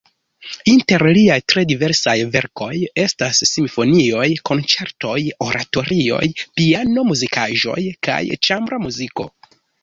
Inter liaj tre diversaj verkoj estas simfonioj, konĉertoj, oratorioj, piano-muzikaĵoj kaj ĉambra muziko.